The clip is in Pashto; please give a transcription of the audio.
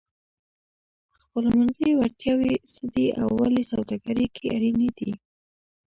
خپلمنځي وړتیاوې څه دي او ولې سوداګري کې اړینې دي؟